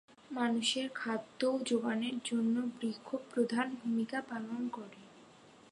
মানুষের খাদ্য যোগানের জন্য বৃক্ষ প্রধান ভূমিকা পালন করে।